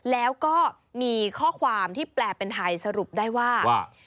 แล้วก็มีข้อความที่แปลเป็นไทยสรุปได้ว่า